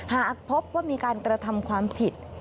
หากพบว่ามีการกระทำความผิด